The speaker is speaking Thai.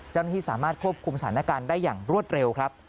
เจ้าหน้าที่สามารถควบคุมสถานการณ์ได้อย่างรวดเร็วครับ